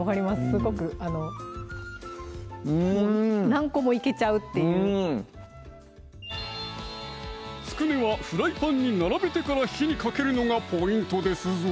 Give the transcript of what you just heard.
すごくうん何個もいけちゃうっていうつくねはフライパンに並べてから火にかけるのがポイントですぞ！